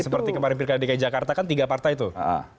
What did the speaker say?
seperti kemarin pilkada dki jakarta kan tiga partai tuh